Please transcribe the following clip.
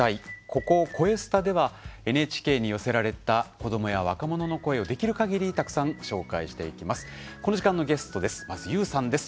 ここ「こえスタ」ではＮＨＫに寄せられた子どもや若者の声をできるかぎりたくさんご紹介していきます。